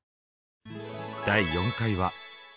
第４回は。